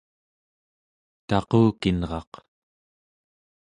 taqukinraq